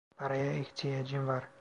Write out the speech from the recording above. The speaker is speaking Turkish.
Paraya ihtiyacım var.